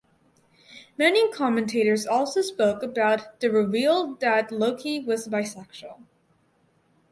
Many commentators also spoke about the reveal that Loki was bisexual.